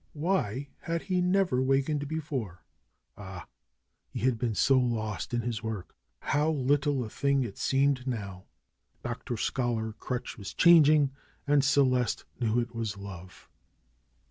Why had he never wa kened before ? Ah ! He had been so lost in his work. How little a thing it seemed now ! Dr. Scholar Crutch was changing, and Celeste knew it was love.